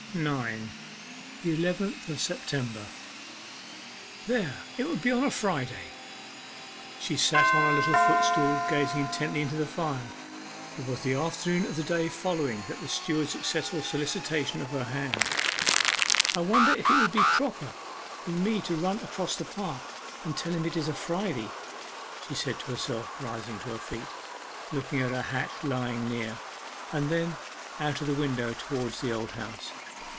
9. THE ELEVENTH OF SEPTEMBER 'There. It will be on a Friday!' She sat upon a little footstool gazing intently into the fire. It was the afternoon of the day following that of the steward's successful solicitation of her hand. 'I wonder if it would be proper in me to run across the park and tell him it is a Friday?' she said to herself, rising to her feet, looking at her hat lying near, and then out of the window towards the Old House.